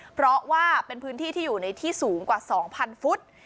เพราะว่าเป็นพื้นที่ที่อยู่ในที่สูงกว่า๒๐๐ฟุต